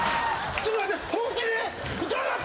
ちょっと待って！